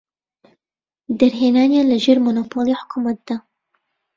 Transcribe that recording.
دەرهێنانیان لە ژێر مۆنۆپۆلی حکومەتدا.